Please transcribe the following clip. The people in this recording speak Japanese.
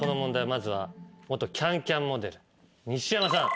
まずは元『ＣａｎＣａｍ』モデル西山さん。